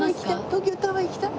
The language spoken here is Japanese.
東京タワー行きたい！